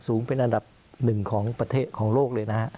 สูงเป็นอันดับหนึ่งของประเทศของโลกเลยนะฮะ